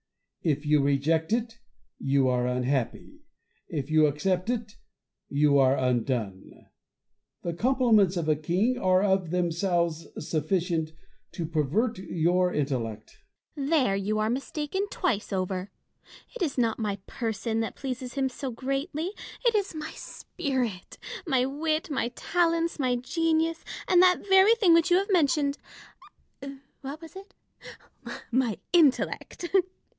If you reject it, you are unhappy ; if you accept it, you are undone. The compliments of a king are of themselves sufficient to pervert your intellect, Fontanges. There you are mistaken twice over. It is not my person that pleases him so greatly : it is my spirit, my wit, my talents, my genius, and that very thing which you have mentioned — what was it ? my intellect.